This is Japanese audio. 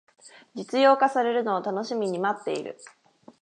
実用化されるのを楽しみに待ってる